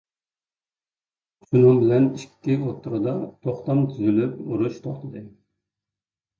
شۇنىڭ بىلەن ئىككى ئوتتۇرىدا توختام تۈزۈلۈپ ئۇرۇش توختىدى.